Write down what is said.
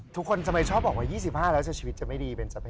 ทำไมชอบบอกว่า๒๕แล้วชีวิตจะไม่ดีเป็นสเปค